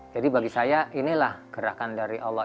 jadi bagi saya inilah gerakan dari allah